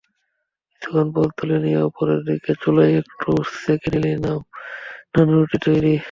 কিছুক্ষণ পরে তুলে নিয়ে অপরের দিকটা চুলায় একটু সেঁকে নিলেই নানরুটি তৈরি।